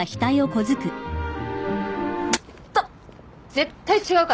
絶対違うからね。